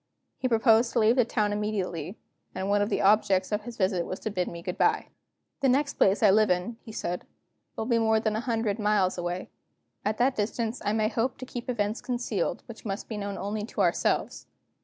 He proposed to leave the town immediately; and one of the objects of his visit was to bid me good by. "The next place I live in," he said, "will be more than a hundred miles away. At that distance I may hope to keep events concealed which must be known only to ourselves.